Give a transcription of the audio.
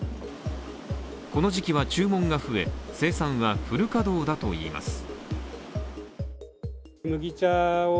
この時期は注文が増え生産はフル稼働だといいます。